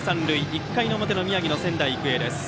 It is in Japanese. １回表の宮城の仙台育英です。